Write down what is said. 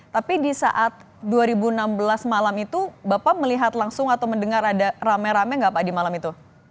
tapi di saat dua ribu enam belas malam itu bapak melihat langsung atau mendengar ada rame rame nggak pak di malam itu